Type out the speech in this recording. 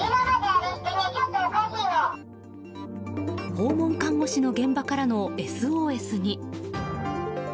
訪問看護師の現場からのＳＯＳに。